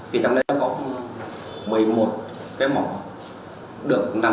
thì trong đây nó có một mươi một cái mỏ